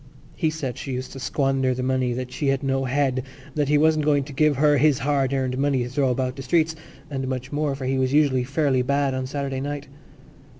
He said she used to squander the money, that she had no head, that he wasn't going to give her his hard earned money to throw about the streets, and much more, for he was usually fairly bad of a Saturday night.